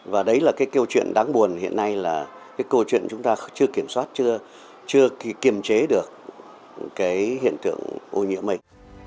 và đấy là cái câu chuyện đáng buồn hiện nay là cái câu chuyện chúng ta chưa kiểm soát chưa kiềm chế được cái hiện tượng ô nhiễm mình